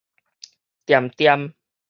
恬恬